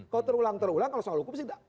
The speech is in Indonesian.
kalau terulang terulang kalau soal hukum sih tidak